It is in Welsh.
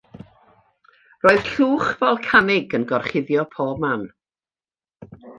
Roedd llwch folcanig yn gorchuddio pob man.